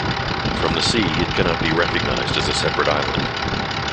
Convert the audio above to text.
From the sea, it cannot be recognised as a separate island.